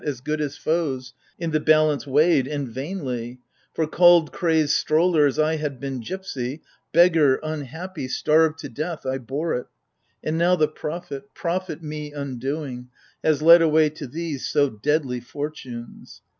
As good as foes, i' the l)alance weighed : and vainly— For, called crazed stroller, — as I had been gipsy, Beggar, unhappy, starved to death, — I bore it. And now the Prophet — prophet me undoing, Has led away to these so deadly fortunes